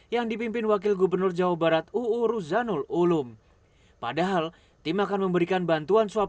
yang dipimpin wakil gubernur jawa barat uu ruzanul ulum padahal tim akan memberikan bantuan swab